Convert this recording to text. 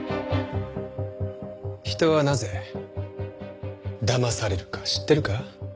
人はなぜ騙されるか知ってるか？